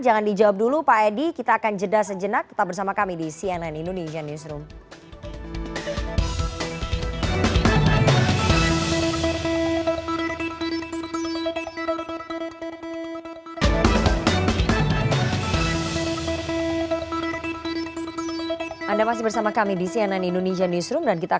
jangan dijawab dulu pak edi kita akan jeda sejenak tetap bersama kami di cnn indonesian newsroom